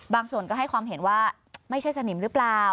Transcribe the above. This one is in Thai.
ส่วนก็ให้ความเห็นว่าไม่ใช่สนิมหรือเปล่า